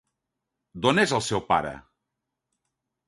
D'on és el seu pare?